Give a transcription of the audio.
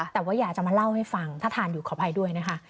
แต่ว่าอยากจะมาเล่าให้ฟังถ้าทานอยู่ขออภัยด้วยนะคะ